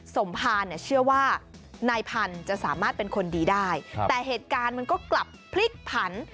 สมภารเนี่ยเชื่อว่านายพันธุ์จะสามารถเป็นคนดีได้แต่เหตุการณ์มันก็กลับพลิกผัน